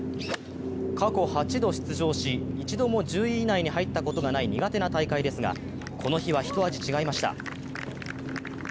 過去８度出場し、一度も１０位以内に入ったことがない苦手な大会ですが、この日は一味違いました。